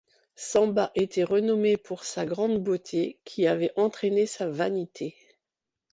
Sâmba était renommé pour sa grande beauté qui avait entraîné sa vanité.